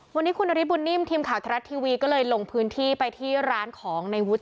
วันนี้คุณนฤทธบุญนิ่มทีมข่าวทรัฐทีวีก็เลยลงพื้นที่ไปที่ร้านของในวุฒิ